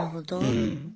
うん。